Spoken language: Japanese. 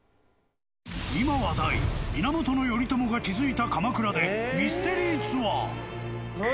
今話題、源頼朝が築いた鎌倉でミステリーツアー。